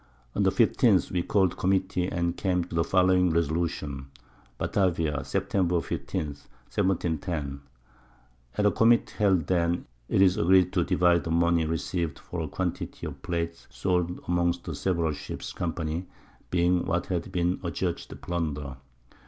On the 15_th_ we called a Committee, and came to the following Resolutions. Batavia, Sept. 15. 1710. _At a Committee held then, it it agreed to divide the Money received for a Quantity of Plate sold amongst the several Ships Company, being what had been adjudged Plunder.